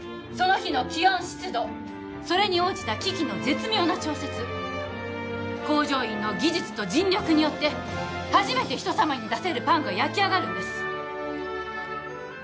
その日の気温湿度それに応じた機器の絶妙な調節工場員の技術と尽力によってはじめて人様に出せるパンが焼き上がるんです